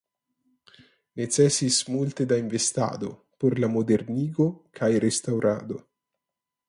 Necesis multe da investado por la modernigo kaj restaŭrado.